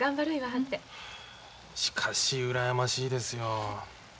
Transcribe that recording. しかし羨ましいですよ。